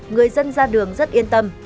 người dân ra đường rất yên tâm